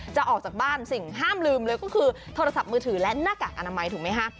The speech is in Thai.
จะออกจากบ้านสิ่งห้ามลืมเลยก็คือโทรศัพท์มือถือและหน้ากากอนามัยถูกไหมคะ